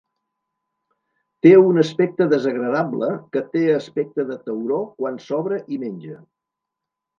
Té un aspecte desagradable que té aspecte de tauró quan s'obre i menja.